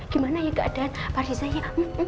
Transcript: gimana ya keadaan pak rizanya